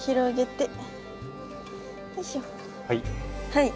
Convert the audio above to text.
はい。